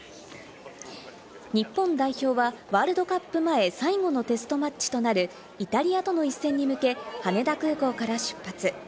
日本代表はワールドカップ前最後のテストマッチとなるイタリアとの一戦に向け、羽田空港から出発。